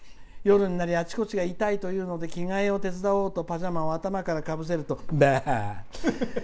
夜になり、あちこちが痛いというので着替えを手伝おうとパジャマを頭からかぶせるとばー！